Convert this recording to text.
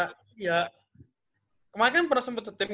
ya ya kemarin kan pernah sempet setimp